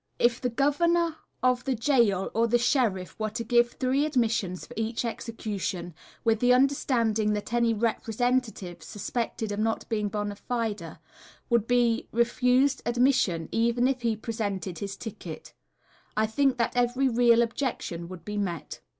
If the Governor of the gaol or the Sheriff were to give three admissions for each execution, with the understanding that any representative suspected of not being bona fide would be refused admission even if he presented his ticket, I think that every real objection would be met.